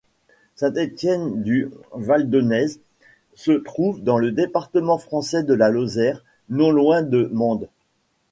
Saint-Étienne-du-Valdonnez se trouve dans le département français de la Lozère, non loin de Mende.